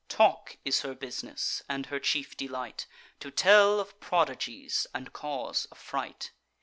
Talk is her business, and her chief delight To tell of prodigies and cause affright.